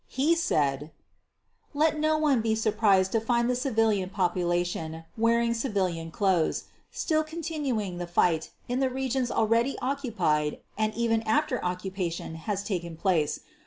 He said: "Let no one be surprised to find the civilian population, wearing civilian clothes, still continuing the fight in the regions already occupied and even after occupation has taken place.